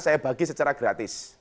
saya bagi secara gratis